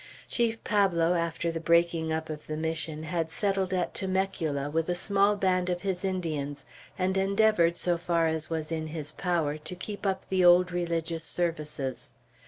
Chief Pablo, after the breaking up of the Mission, had settled at Temecula, with a small band of his Indians, and endeavored, so far as was in his power, to keep up the old religious services.